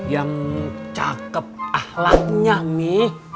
yang cakep ahlaknya mi